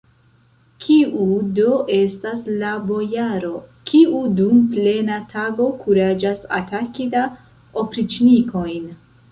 Kiu do estas la bojaro, kiu dum plena tago kuraĝas ataki la opriĉnikojn?